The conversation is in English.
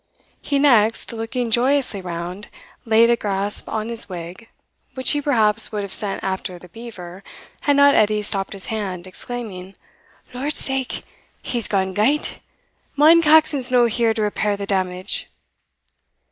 He next, looking joyously round, laid a grasp on his wig, which he perhaps would have sent after the beaver, had not Edie stopped his hand, exclaiming "Lordsake! he's gaun gyte! mind Caxon's no here to repair the damage."